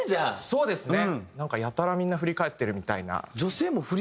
そうですよね。